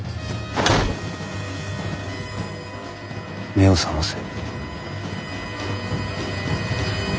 目を覚ませ。